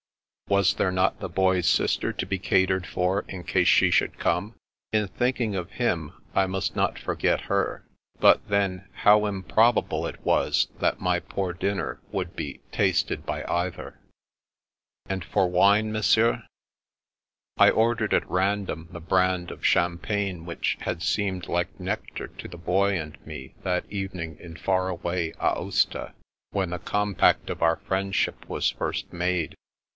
Was there not the Boy's sister to be catered for in case she should come ? In thinking of him I must not forget her. But then, how improbable it was that my poor dinner would be tasted oy either !" And for wine, Monsieur? " I ordered at random the brand of champagne which had seemed like nectar to the Boy and me that evening in far away Aosta, when the compact of our friendship was first made.